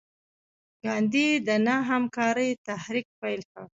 ګاندي د نه همکارۍ تحریک پیل کړ.